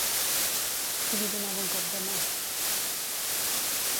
Qui li donava un cop de mà?